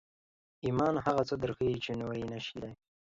ایمان هغه څه درښيي چې نور یې نشي لیدلی